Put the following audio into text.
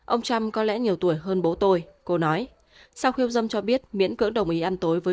ông trump có lẽ nhiều tuổi hơn bố tôi cô nói sau khi dâm cho biết miễn cưỡng đồng ý ăn tối với